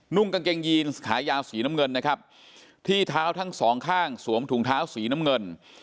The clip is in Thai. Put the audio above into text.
กางเกงยีนขายาวสีน้ำเงินนะครับที่เท้าทั้งสองข้างสวมถุงเท้าสีน้ำเงิน